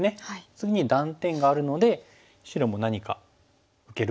次に断点があるので白も何か受けるぐらいですかね。